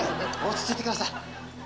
落ち着いてください。